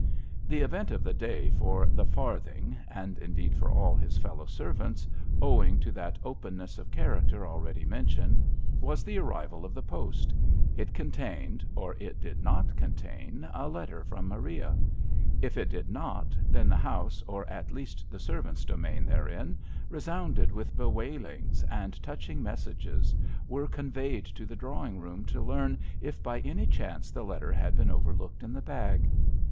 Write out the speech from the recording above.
The event of the day for " The Farthing "— ^and indeed for all his fellow servants, owing to that openness of character already mentioned — was the arrival of the post. It contained, or it did not contain, a letter from Maria. If it did not, then the house, or at least the servants' domain therein, re sounded with bewailings, and touching messages were conveyed to the drawing room to learn if by any chance the letter had been overlooked in the bag.